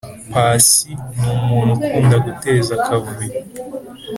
paccy ni umuntu ukunda guteza akavuyo